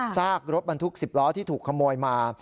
ซากรถบรรทุก๑๐ล้อที่ถูกขโมยมา